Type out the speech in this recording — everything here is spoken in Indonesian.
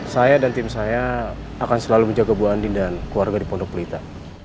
saya dan tim saya akan selalu menjaga bu andi dan keluarga di pondok pelita